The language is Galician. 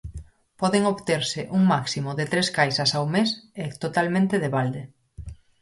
Poden obterse un máximo de tres caixas ao mes e totalmente de balde.